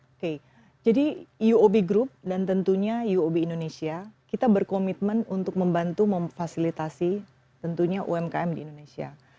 oke jadi uob group dan tentunya uob indonesia kita berkomitmen untuk membantu memfasilitasi tentunya umkm di indonesia